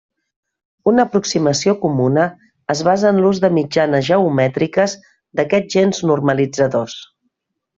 Una aproximació comuna es basa en l'ús de mitjanes geomètriques d'aquests gens normalitzadors.